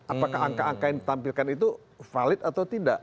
apakah angka angka yang ditampilkan itu valid atau tidak